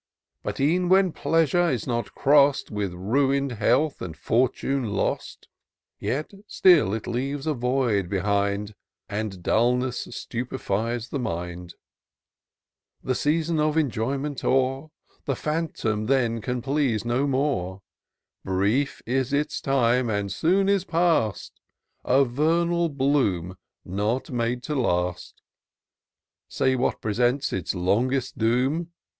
" But e'en when Pleasure is not cross'd With ruin'd health and fortune lost, IN SEARCH OF THE PICTURESUUE. 349 Yet still it leaves a void behind — And dulness stupifies the mind. The season of enjoyment o'er, The phantom then can please no more : Brief is its time,' it soon is past ; A vernal bloom not made to last. Say, what presents its longest doom